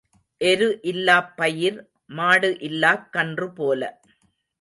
எரு இல்லாப் பயிர் மாடு இல்லாக் கன்று போல.